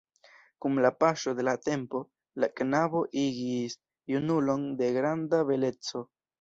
Kun la paŝo de la tempo, la knabo igis junulon de granda beleco.